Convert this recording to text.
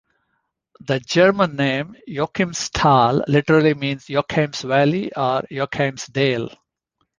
The German name "Joachimsthal" literally means "Joachim's valley" or "Joachim's dale".